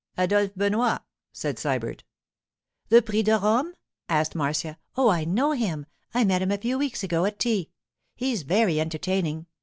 'Adolphe Benoit,' said Sybert. 'The Prix de Rome?' asked Marcia. 'Oh, I know him! I met him a few weeks ago at a tea; he's very entertaining.